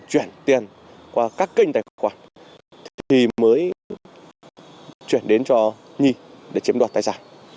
chuyển đến cho nhi để chiếm đoạt tài sản